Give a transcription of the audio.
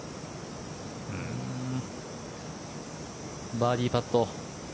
バーディーパット。